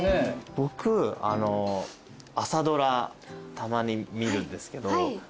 僕朝ドラたまに見るんですけど。